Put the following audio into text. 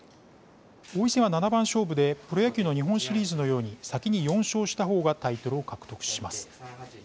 王位戦は七番勝負でプロ野球の日本シリーズのように先に４勝したほうがタイトルを獲得します。